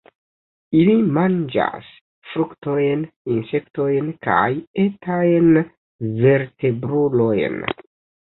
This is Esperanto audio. Ili manĝas fruktojn, insektojn kaj etajn vertebrulojn.